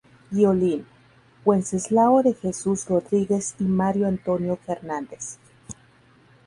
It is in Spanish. Violín: Wenceslao de Jesús Rodríguez y Mario Antonio Fernández.